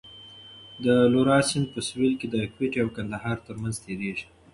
د لورا سیند په سوېل کې د کویټې او کندهار ترمنځ تېرېږي.